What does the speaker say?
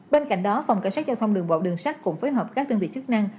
bên cạnh đó phòng cảnh sát giao thông đường bộ đường sắt cũng phối hợp các đơn vị chức năng